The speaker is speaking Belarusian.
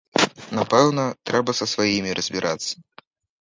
Напэўна, трэба са сваімі разбірацца.